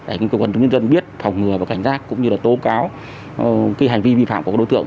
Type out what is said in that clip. để cơ quan chúng dân biết phòng ngừa và cảnh giác cũng như là tố cáo hành vi vi phạm của đối tượng